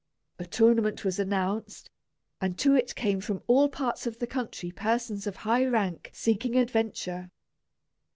A tournament was announced, and to it came from all parts of the country persons of high rank seeking adventure.